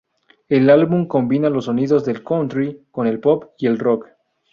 El álbum combina los sonidos del country con el pop y el rock.